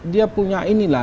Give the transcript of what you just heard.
dia punya inilah